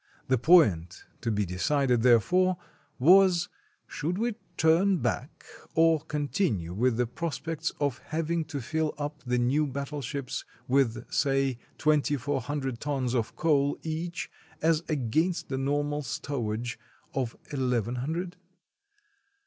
The point to be decided therefore was: Should we turn back, or con tinue with the prospects of having to fill up the new battleships, with, say, twenty four hundred tons of coal each, as against the normal stowage of eleven hundred